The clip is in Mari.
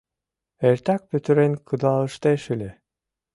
Эртак пӱтырен кудалыштеш ыле.